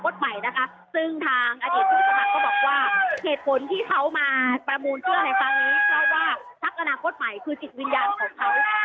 เหตุผลที่เขามาประมูลเสื้อในฟังนี้ก็ว่าภาคอนาคต์ใหม่คือจิตวิญญาณของเขา